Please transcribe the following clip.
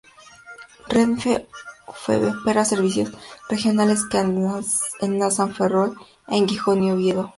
Renfe Feve opera servicios regionales que enlazan Ferrol con Gijón y Oviedo.